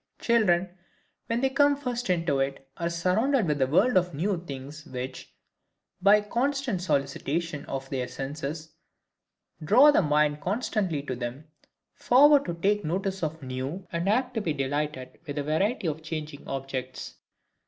Children when they come first into it, are surrounded with a world of new things which, by a constant solicitation of their senses, draw the mind constantly to them; forward to take notice of new, and apt to be delighted with the variety of changing objects.